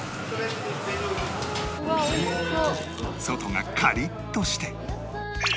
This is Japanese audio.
外がカリッとして